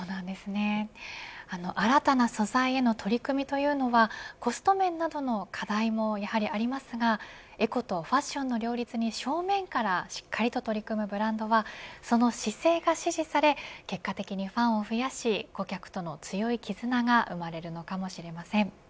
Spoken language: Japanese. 新たな素材への取り組みというのはコスト面などの課題もありますがエコとファッションの両立に正面からしっかりと取り組むブランドはその姿勢が支持され結果的にファンを増やし顧客との強いきずなが生まれるのかもしれません。